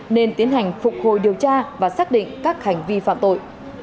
nên tiến hành phục hồi điều tra và xác định các hành vi phạm tội